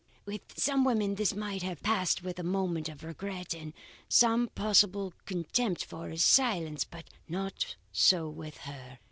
"With some women this might have passed with a measure of regret, and some possible contempt for his silence, but not so with her.